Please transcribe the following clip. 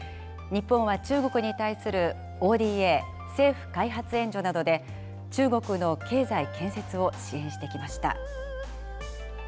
日本は中国に対するＯＤＡ・政府開発援助などで、中国の経済建設を支援してきました。